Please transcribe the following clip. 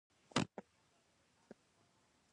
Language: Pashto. دا کتاب د ښوونځي دی.